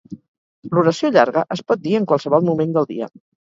L'oració llarga es pot dir en qualsevol moment del dia.